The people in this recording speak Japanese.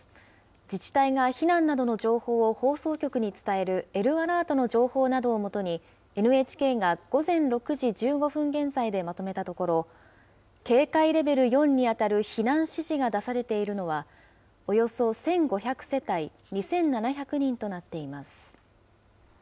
自治体が避難などの情報を放送局に伝えるＬアラートの情報などを基にＮＨＫが午前６時１５分現在でまとめたところ、警戒レベル４に当たる避難指示が出されているのは、およそ１５００世帯２７００人となっています。